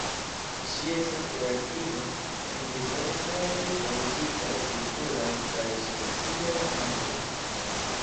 Ŝi estas tre aktiva en diversaj politikaj, kulturaj kaj sociaj kampoj.